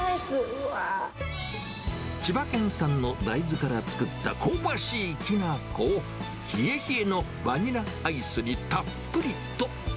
千葉県産の大豆から作った香ばしいきな粉を、冷え冷えのバニラアイスにたっぷりと。